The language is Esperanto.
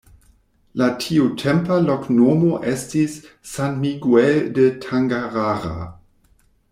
La tiutempa loknomo estis ’’San Miguel de Tangarara’’.